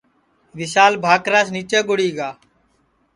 وشال بھاکراس نیچے گُڑی گا